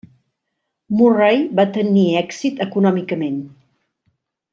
Murray va tenir èxit econòmicament.